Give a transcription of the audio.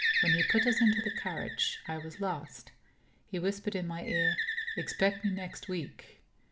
When he put us into the carriage, I was last. He whispered in my ear: "Expect me next week."